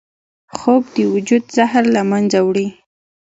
خوب د وجود زهر له منځه وړي